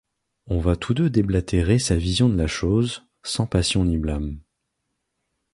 On va tous deux déblatérer sa vision de la chose, sans passion ni blâme.